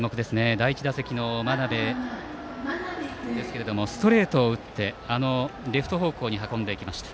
第１打席の真鍋ですがストレートを打ってレフト方向に運びました。